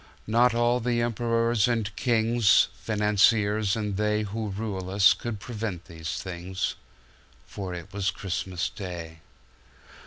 Not all the emperors and kings, Financiers and theyWho rule us could prevent these things —For it was Christmas Day.